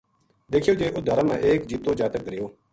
دیکھیو جے اُت ڈھارا ما ایک جِتو جاتک دھریو